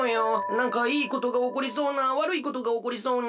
なんかいいことがおこりそうなわるいことがおこりそうな。